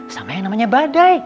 sama yang namanya badai